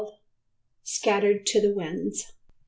"Scattered to the Winds."